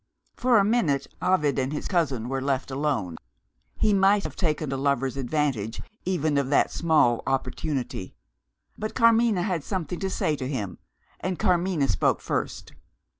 For a minute, Ovid and his cousin were left alone. He might have taken a lover's advantage even of that small opportunity. But Carmina had something to say to him and Carmina spoke first.